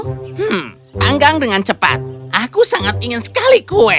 hmm panggang dengan cepat aku sangat ingin sekali kue